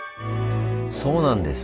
そうなんです！